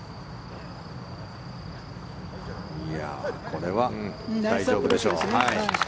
これは大丈夫でしょう。